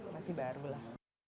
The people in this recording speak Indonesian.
masih baru lah